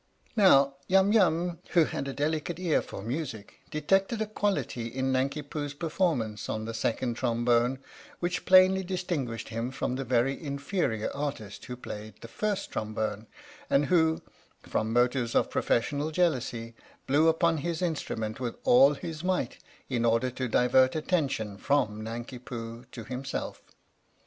Now Yum Yum, who had a delicate ear for music, detected a quality in Nanki Poo's performance on the second trombone which plainly distinguished him from the very inferior artist who played the first trombone, and who, from motives of professional jealousy, blew upon his instrument with all his might in order to divert attention from Nanki Poo to himself.